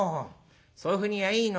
そういうふうに言やあいいの？